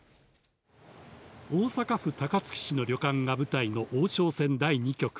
大阪府高槻市の旅館が舞台の王将戦第２局。